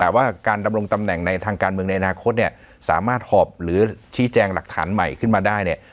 แต่ว่าการดำรงตำแหน่งในทางการเมืองในอนาคตเนี่ยสามารถหอบหรือชี้แจงหลักฐานใหม่ขึ้นมาได้เนี่ย